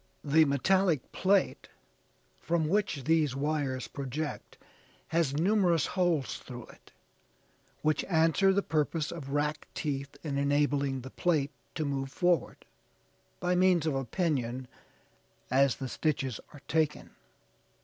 The metallic plate, from which these wires project, has numerous holes through it, which answer the purpose of rack teeth in enabling the plate to move forward, by means of a pinion, as the stitches are taken.